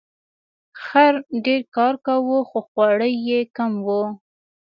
خر ډیر کار کاوه خو خواړه یې کم وو.